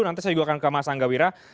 nanti saya juga akan ke mas angga wira